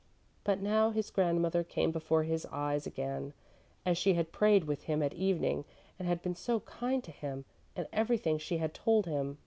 But now his grandmother came before his eyes again as she had prayed with him at evening and had been so kind to him, and everything she had told him.